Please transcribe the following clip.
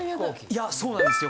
いやそうなんですよ。